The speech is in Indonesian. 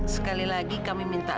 sekali lagi kami minta